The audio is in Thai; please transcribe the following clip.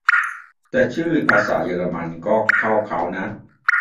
แต่ชื่อภาษาเยอรมันก็เข้าเค้านะ